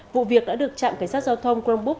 vụ việc đã được trạm cảnh sát giao thông crongbuk